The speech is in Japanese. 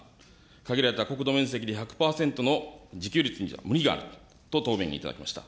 限られた国土面積で１００％の自給率には無理があるとの答弁を頂きました。